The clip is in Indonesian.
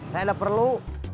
saya ada perlu